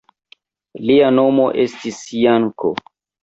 Lia nomo estis Janko.